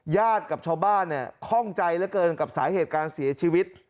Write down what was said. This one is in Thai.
กับชาวบ้านเนี่ยคล่องใจเหลือเกินกับสาเหตุการเสียชีวิต